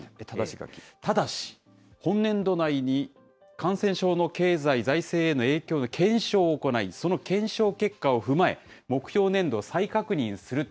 ただし本年度内に感染症の経済財政への影響の検証を行い、その検証結果を踏まえ、目標年度を再確認する。